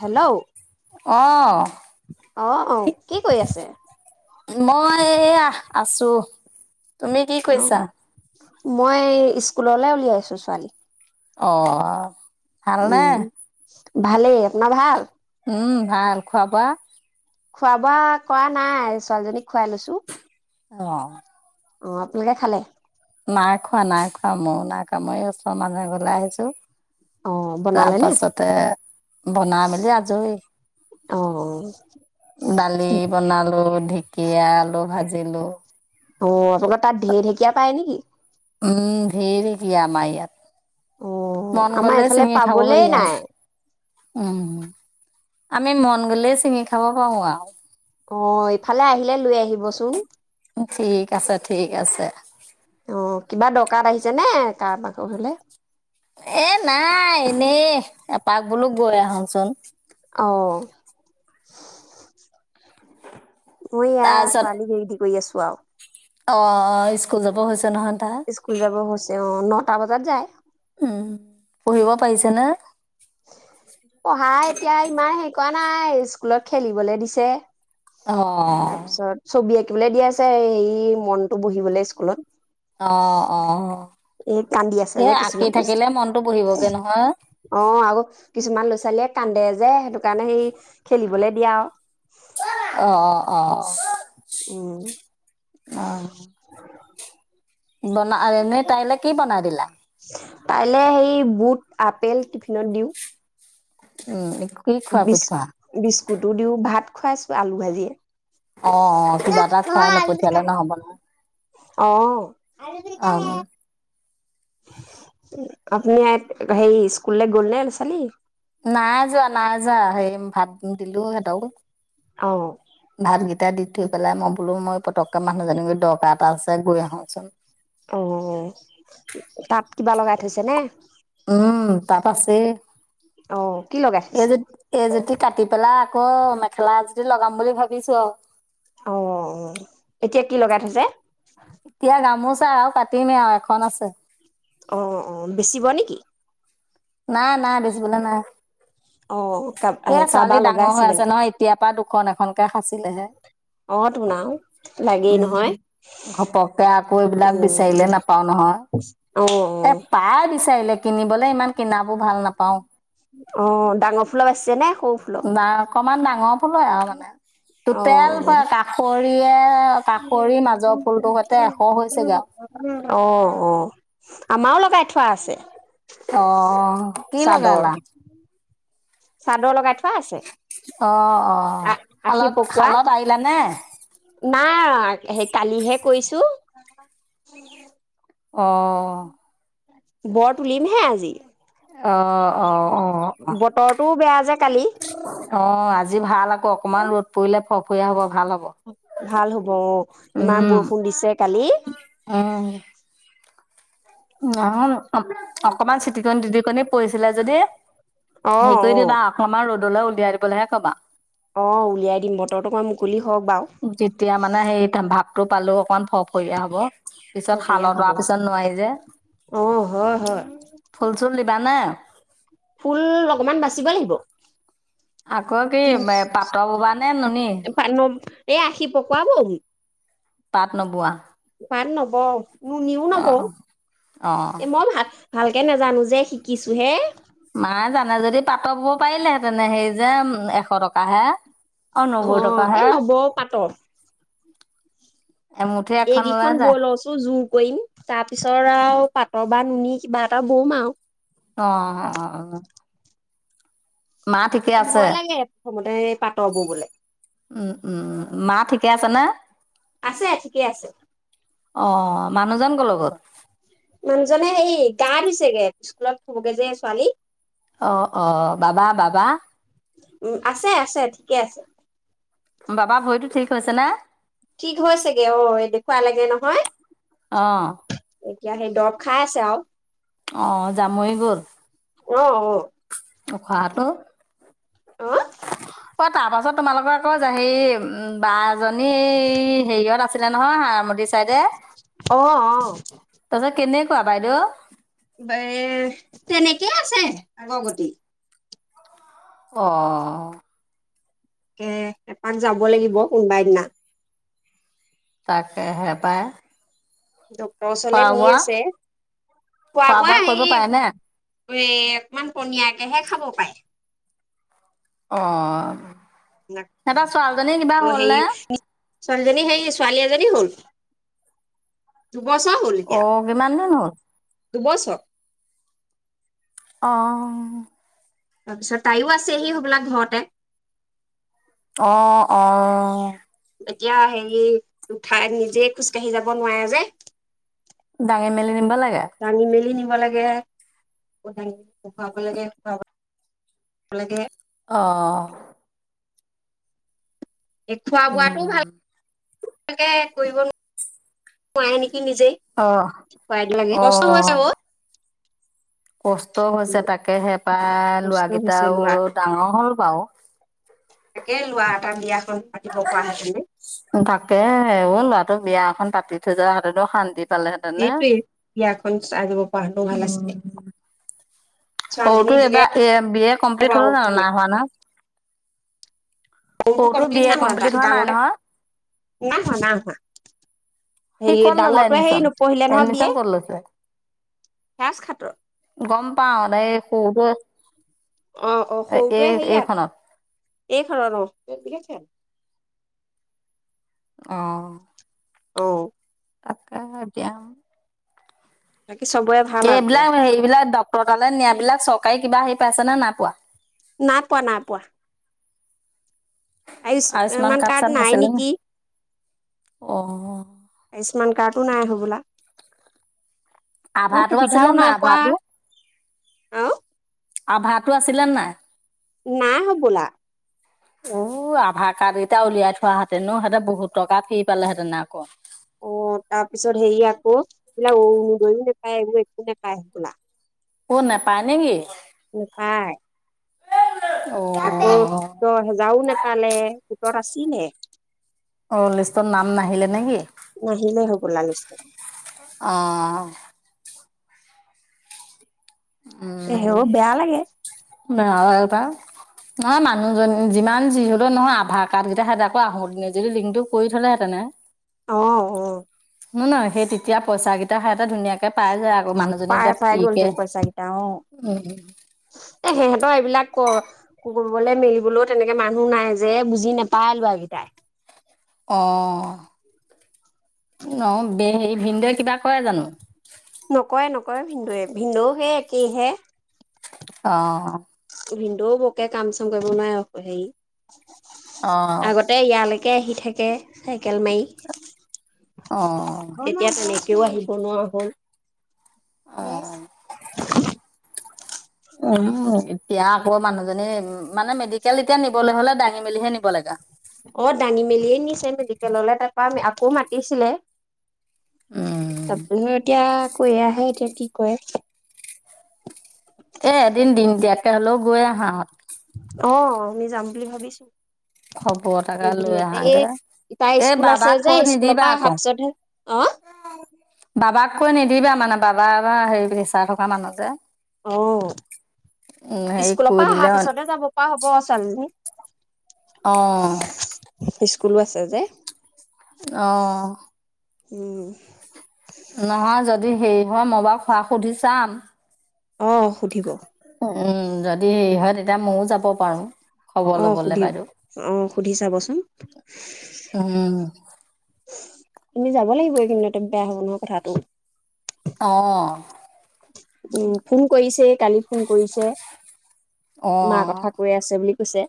Hello অ'। অ কি কৰি আছে। মই এ আহ আছো তুমি কি অ কৈছা মই স্কুললৈ উলিয়াইছো ছোৱালী অঁ উম ভালেই আপোনাৰ ভাল উম ভাল খোৱা ৱোবা খোৱা বোৱা কৰা নাই ছোৱালীজনীক খুৱাই লৈছো অহ অ আপোনালোকে খালে নাই খোৱা নাই খোৱা ম ও নাই খোৱা মই আছো মানে গলাই আহিছো অ তাৰ বনালে নে? পাছতে বনাই মেলি আজৰি অ দালি বনালো ঢেকীয়া আলু ভাজিলো ত তত তাত ঢেৰ ঢেকীয়া পাই নেকি ধেই ঢেকিয়া আমাৰ ইয়াত অ মন আমাৰ গলে এইফালে চিঙি খাব প পাবলেই নাই। আৰু উম আমি মন গ'লে ছিঙি খাব পাৰো আৰু অ ইফালে আহিলে লৈ আহিবচোন ঠিক আছে, ঠিক আছে। অ কিবা দৰকাৰ আহিছে নে তাপাত হলে এ নাই এ এপাক বোলো গৈ আহোচোন অহ মই ইয়া তাৰপিছত ছোৱালী হেৰিদি কৰি আছো কোৱা অ অ স্কুল যাব হৈছে নহয় তাৰ স্কুল যাব হৈছে নটা বজাত যায় উম পঢ়িব পাৰিছে নে পঢ়া এতিয়া ইমান হে কৰাৱা নাই স্কুলত খেলিবলে দিছে অ তাৰপিছত ছবি আকি শিকিবলৈ দিয়া আছে হে মনতটো বজিবলে স্কুলত অ অ এই কান্দি আছে এ যে আঁকি কিছুমান থাকিলে মনটো বহিবগে নহয় অ আ কিছুমান ল'ৰা ছোৱালী কান্দে যে সেইটো কাৰণে সেই খেলিবলে দিয়া অ অ অ উম অ বনা এনেই তাইলৈ কি বনাই দিলা কাইলে সেই বুট আপেল টিফিনত দিওঁ উম খুৱাই বি পঠিওৱা বিস্কুতো দিওঁ ভাত খুৱাইছো আলু ভাজিয়ে অ কিবা এটা খোৱাই নপঠিয়ালে নহ'ব ন অ অ আপুনি সেই স্কুল গ'ল ন ছোৱালী যা সেই ভাত দিলো সিহঁতক অ এতিয়া দি থৈ পেলাই মই বোলো মই পতককে মানুহজনীক দৰকাৰ এটা আছে গৈ আহোচোন অ তাত কিবা লগাই থৈছে নে অ কি লগাই থৈছে এইজু এইজুতি কাটি পেলাই অ মেখেলা আজদি লগাম বুলি ভাবিছো আৰু অ এতিয়া কি লগাই থৈছে া আৰু কাটিমেই আৰু এখন আছে অ অ বেচিব নেকি নাই নাই দিছ বোলো নাই অ কা এ ছোৱালী কাৰোবাৰ ডাঙৰ লগাইছে হৈ আছে বেলেগ নহয় এতিয় পৰা দুখন এখনকে খাঁচিলেহে অ তোন আৰু লাগেই উম নহয় ঘপককে আকৌ এইবিলাক উম বিচাৰিলে নাপাও নহয় অ অ এ পাই বিচাৰিলে কিনিবলে ইমান ভাল নাপাওঁ অ ডাঙৰ ফুলপাইছে নে সৌ ন অকমান ডাঙৰ পুলো আৰু মানে অ টোোতেল প কাষৰ প সৈতে এশ হৈছেগে আৰু অ অ আমাও লগাই থ খোৱা আছে অ কি চাদৰ লগালালা চাদৰ লগাই থাক চ আছে অঁ অ আ আশী শালত পকোৱা শালত আহিলাানে নাই সেই কালিহে কৈছো অ বৰ ত তুলিম হে আজি- অ অ অ অ আজিকালি যি ভাল অকণমান ৰ'দ পৰিলে ভ পয়া হ'ব ভাল হ'ব ভাল হব অ ইমান উম বৰষুণ দিছে কালি ন অকমান চিটিকনি টিতিকনি পৰিছিলে যদি অ হেই কৰি অ দিবা অকমাৰ ৰ'দ লৈ উলিয়াই দিবলৈহে কবা। অ উলিয়াই দিম বতৰ ত মই মুকলি। হওক বাৰু যেতিয়া মানে সেই ভাৱ টো পালো অকমান ফটফৰিয়া হব পিছত সফৰীয়া হব শালতৱাৰ পিছত নোৱাৰি যে অ হয় হয় ফুল চুল দিবানে। তি বোবা নে নুনী পান এ আশী পকুৱাব পাট নবোৱা পাট নবও নুনী ও অ নবওঁ অ এ মই ভাত ভালকৈ নাজানো যে শিকিছোঁহে মায়ে জানে যদি পাতৰ বব পাৰিলেহেতেনে হেই যে এশ টকাহে। অ নব্বৈ এ টকাহে নৱ পাতক এমুঠি এখন ওলাই এইকেইখন যায় বৈ লওঁছো জোৰ কৰিম তাৰ পিছত আৰু পাত বা নুনি কিবা এটা বম আৰু। অ অ মা ঠিকে আছে ভয় লাগে প্ৰথমতে পাতৰ ববলে। উম উম উম মা ঠিকে আছে ন। আছে ঠিকে আছে অ মানুহজন কলৈ গল? মানুহজনে হেই গা ধুইছে গে স্কুলত থবগে যে ছোৱালী। অ অ বাবা বাবা উ আছে আছে ঠিকে আছে বাবা ভৰিতো ঠিক হৈছে না ঠিক হৈছেগে অ দেখুৱা লাগে নহয় অ', এতিয়া সেই দৰব খাই আছে আৰু। অ জামৰী গল অ অ উখাহটো অ তাৰপাছত তোমালোকৰ আকৌ হেৰি বাছ জনী এই হেৰিয়ত আ আছিলে নহয় চাইদে অ অ টাৰচত কেনি কোৱা বাইদেউ। বে তেনেকেই আছে আগৰ গতি। অহ, এ এপাক যাব লাগিব কোনোবাই দিনা। তাকে হে পায়। ডক্তৰৰ ওচৰলৈ নি আছে খোৱা খোৱা বোৱা কৰিব এই পাৰেনে এ অকমান পনীয়াকেহে খাব পায়। অহ, [unintelligible] অহ, নে সেই [inaudible] ছোৱালীজনী সেই ছোৱালী এজনী হল। দুবছৰ অহ, কিমান দিন হল? দুুবছৰ। অহ, আচ্ছা তাইও আছেহি হবলা ঘৰতে। অহ -অহ এতিয়া হেৰি উঠাই নিজে খোজকাঢ়ি যাব নোৱাৰে যে। দাঙি মেলি নিবা লাগে। টানি [unintelligible] খুৱাব লাগে [unintelligible] লাগে অহ, এ খোৱা বোৱাটো উম, ভাল তাকে কৰিব নো পৱে নি সি নিজেই অ', [unintelligible] কষ্ট [unintelligible] অ', কষ্ট হৈছে তাকে হেপাই লৰা কষ্ট হৈছে কেইটাও লোৱা ডাঙৰ হল বাৰু। তাকে লৰা এটা বিয়া [unintelligible] তাকে অহ লৰা ত বিয়া এখন পাতি থৈ যোৱা হেতেনটো শান্তিত এটোৱেই বিয়াখন চাই যাব পৰা হলেও ভাল আছিলে। ছোৱালীজনী সৰুতো দিলে এবাৰ এয়ে বি এ কমপ্লিট হ'ল বাৰু জানো না হোৱা ন? সৰুটো সৰুতো বি এ কমপ্লিট হোৱা নাই নহয়। নাইহোৱা - নাইহোৱা সি হেৰি ক'ত ল'লে ডাঙৰটোৱে এডমিশন হেৰি নপঢ়িলে নহয় এডমিশন বিএ ক'ত লৈছে সেজ খাতৰ। পাৱানাই [unintelligible] অহ -অহ সৰুটোৱে হেৰিয়াত এই খনত অহ [unintelligible] অহ, অহ, তাকে এতিয়াও বাকী চবৰে ভাল আৰু এতিয়া এইবিলাক হেবিলাক দ ত তালে নিয়াবিলাক চৰকাৰী কিবা হেৰি পাইছে নে নাইপোৱা? নাই পোৱা নাই পোৱা। আয়ুচ আয়ুস্মান স্মান কাৰ্ড চাৰ্ড নাই নাছিলে নে নেকি? অ আয়ুস্মান কাৰ্ডো নাই হব হ'বলা। মোৰ আভাটো আছিলে সুবিধাও নাই আভাটো পোৱা অহ আভাটো আছিলেনে নাই? নাই হবলা। উ আভাৰ কাৰ্ড কেইটা উলিয়াই থোৱাহেঁতেনো সিহতে বহুত টকাত ফি পালেহেঁতেনে আকৌ। অ তাৰ পিছত হেৰি আকৌ এইবিলাক অৰুনোদই নে এইবোৰ একো নেপায় হ'বলা। ক নেপাই নে কি? নোপায় অ আকৌ দহেজাও নেপালে গোটত আচিলে। অ লিষ্টত নাম নাহিলে নে কি? নাহিলে হ'বলা লিষ্টত অহ। এ উম হেও বেয়া লাগে ন [unintelligible] নহয় মানুহজন যিমান যিহলেও নহয় আধাৰ কাৰ্ড কেইটা সেহেতে আকৌ আহোতে যদি লিংকটো কৰি থলেহেতেনে। অহ অ। নহয় নহয় সেই তেতিয়া পইচাকেইটা হেয়াতে ধুনীয়াকে পাই যায় আকৌ মানুহজনী পাই এতিয়া পাই গ'ল ফ্ৰীকে হেতেন পইচা কেইটা অ। উম এ সিহঁতৰ এইবিলাক কৰিবলৈ মেলিবলৈও তেনেকে মানুহ নাই যে বুজি নাপায় লৰা কেইটাই অ ন হ ভিনদৌ এ কিবা কৰে জানো? নকৰে নকৰে ভিনদৌয়ে ভিনদৌ সেই একেইহে অ। ভিনদৌ বৰকে কাম চাম কৰিব নোৱাএ হেৰি অ', আগতে ইয়ালে তাকে আহি থাকে চাইকেল মাৰি। অ', এতিয়া তেনেই কেও আহিব নোৱাৰা হ'ল। মেছ উমম এতিয়া আকৌ মানুহজনী মানে মেডিকেল এতিয়া নিবলৈ হলে দাঙি মেলিহে নিব লাগা। অ দাঙি মেলিয়ে নিছে মেডিকেললৈ তাৰপৰা আকৌ মাতিছিলে। উম, তাৰপিছত এতিয়া কৈ আহে এতিয়া কি কয়? এ এদিন দিন দিয়াকে হলেও গৈ আহা। অ আমি যাম বুলি ভাবিছো। খবৰ তাকে লৈ এইকেইদিনতে আহাগে এই তাই এই স্কুল আছে বাবাক যে কৈ স্কুলৰ নিদিবা পৰা আকৌ অহাৰ পিছতহে অ বাবাক কৈ নিদিবা মানে বাবা বা হেৰি চাই থকা মানুহ যে অ উম, হেৰি স্কুলৰ কৈ পৰা দিলে অহাৰ পিছতে যাব পৰা হ'ব ছোৱালীজনী। অ স্কুলো আছে যে। অঁ উম নহয় যদি হেৰি হয় মই বাৰু খোৱক সুধি চাম অ সুধিব উম যদি হেৰি হয় তেতিয়া ময়ও যাব পাৰো। আহ সুধি আহ সুধি চাবচোন। উম, তুমি যাব লাগিবই কিন্তু বেয়া হব নহয় কথাটো। অঁ উম ফোন কৰিছে কালি। ফোন কৰিছে, মাৰ অ', কথা কৈ আছে বুলি কছে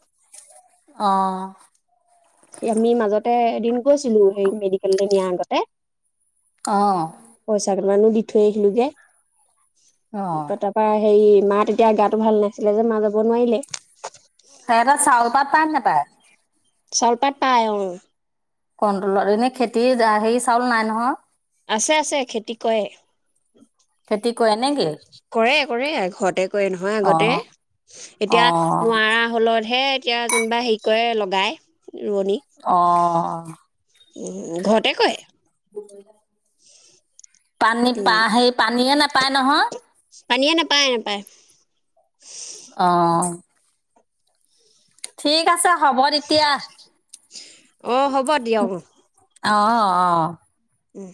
অ', সেই আমি মাজতে দিন গৈছিলো সেই মেডিকেললৈ নিয়াৰ আগতে। অঁ মানো দি থৈ আহিলো গে। অ', তাৰ পৰা হেৰি মা তেতিয়া গাটো ভাল নাছিলে যে মা যাব নোৱাৰিলে। সে ত চাউল পাত পায় নে নাপায়? চাউল পাত পাই অঁ কণ্টলৰ এনে খেতি হেৰি চাউল নাই নহয়। আছে আছে খেতি কৰে,, খেতি কৰে নেকি? কৰে কৰে কৰে ঘৰতে কৰে নহয় আগতে, অ', এতিয়া অ', নোৱাৰা হলতহে এতিয়া যেনিবা হেৰি কৰে লগাই। অহ উ ঘৰতে কৰে [unintelligible] পানী প উম সেই পানীয়েে নাপ [unintelligible] পায় নহয় পনীয়ে নেপায় নাপায় অঁ ঠিক আছে। হব্ এতিয়া উ [unintelligible] অঁ অ অঁ উম